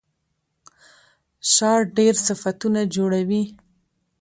شا ډېر صفتونه جوړوي.